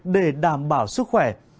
để đảm bảo sức khỏe